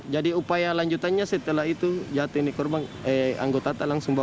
jadi upaya lanjutannya setelah itu jatuh ini korban eh anggota langsung bawa